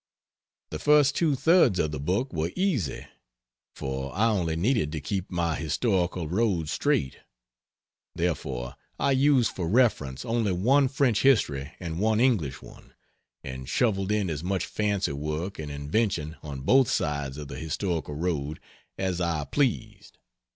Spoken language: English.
The first two thirds of the book were easy; for I only needed to keep my historical road straight; therefore I used for reference only one French history and one English one and shoveled in as much fancy work and invention on both sides of the historical road as I pleased.